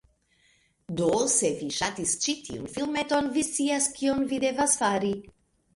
Do se vi ŝatis ĉi tiun filmeton, vi scias kion vi devas fari: